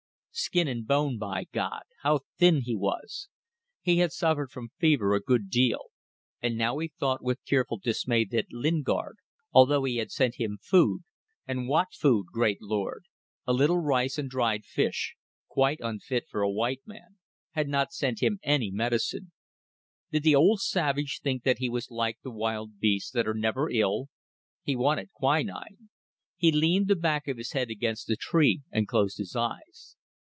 Skin and bone, by God! How thin he was! ... He had suffered from fever a good deal, and now he thought with tearful dismay that Lingard, although he had sent him food and what food, great Lord: a little rice and dried fish; quite unfit for a white man had not sent him any medicine. Did the old savage think that he was like the wild beasts that are never ill? He wanted quinine. He leaned the back of his head against the tree and closed his eyes.